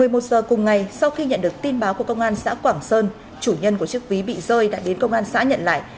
một mươi một giờ cùng ngày sau khi nhận được tin báo của công an xã quảng sơn chủ nhân của chiếc ví bị rơi đã đến công an xã nhận lại